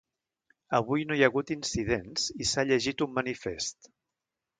Avui no hi ha hagut incidents i s’ha llegit un manifest.